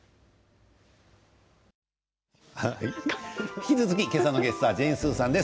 引き続き、今朝のゲストはジェーン・スーさんです。